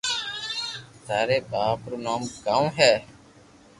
ٿاري ٻاپ رو نوم ڪاؤ ھي